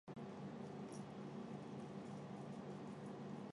现在旧巴扎的文化遗产得到马其顿政府的保护。